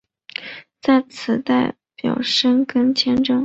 在此处代表申根签证。